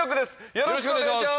よろしくお願いします